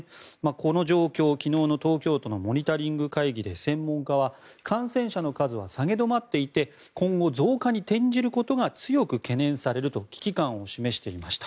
この状況、昨日の東京都のモニタリング会議で専門家は感染者の数は下げ止まっていて今後、増加に転じることが強く懸念されると危機感を示していました。